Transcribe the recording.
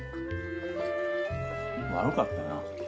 悪かったな。